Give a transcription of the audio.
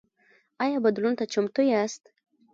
ایا بدلون ته چمتو یاست؟